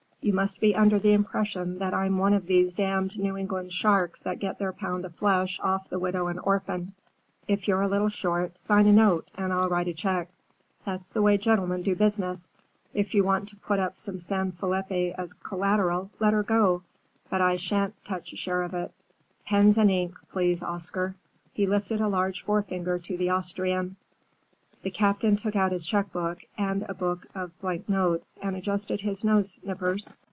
You must be under the impression that I'm one of these damned New England sharks that get their pound of flesh off the widow and orphan. If you're a little short, sign a note and I'll write a check. That's the way gentlemen do business. If you want to put up some San Felipe as collateral, let her go, but I shan't touch a share of it. Pens and ink, please, Oscar,"—he lifted a large forefinger to the Austrian. The Captain took out his checkbook and a book of blank notes, and adjusted his nose nippers.